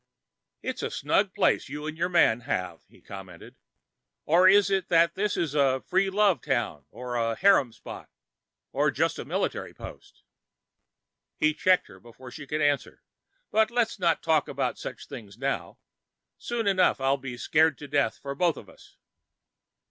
"It's a snug enough place you and your man have," he commented. "Or is it that this is a free love town or a harem spot, or just a military post?" He checked her before she could answer. "But let's not be talking about such things now. Soon enough I'll be scared to death for both of us.